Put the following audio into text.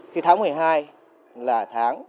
khi tháng một mươi hai là tháng